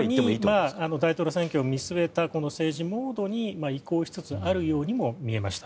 徐々に大統領選挙を見据えた政治モードに移行しつつあるようにも見えました。